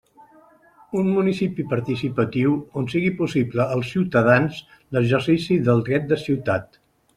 Un municipi participatiu, on siga possible als ciutadans l'exercici del «Dret de Ciutat».